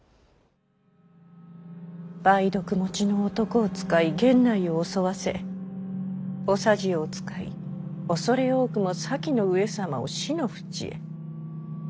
梅毒もちの男を使い源内を襲わせお匙を使い恐れ多くも先の上様を死のふちへ。